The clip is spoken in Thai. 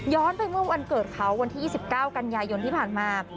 ย้อนไปด้วยวันเกิดเขาวันที่๒๙กันยายนที่ผ่านมา